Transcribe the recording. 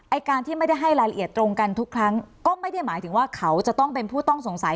การที่ไม่ได้ให้รายละเอียดตรงกันทุกครั้งก็ไม่ได้หมายถึงว่าเขาจะต้องเป็นผู้ต้องสงสัย